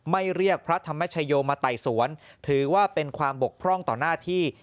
เรียกพระธรรมชโยมาไต่สวนถือว่าเป็นความบกพร่องต่อหน้าที่